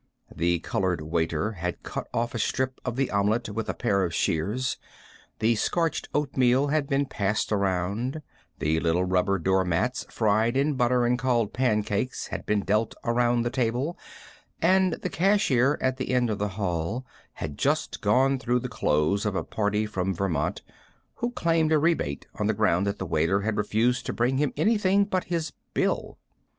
The colored waiter had cut off a strip of the omelette with a pair of shears, the scorched oatmeal had been passed around, the little rubber door mats fried in butter and called pancakes had been dealt around the table, and the cashier at the end of the hall had just gone through the clothes of a party from Vermont, who claimed a rebate on the ground that the waiter had refused to bring him anything but his bill.